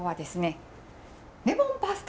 レモンパスタ？